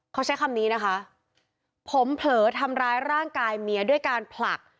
เขาใช้คำนี้นะคะผมเผลอทำร้ายร่างกายเมียด้วยการผลัก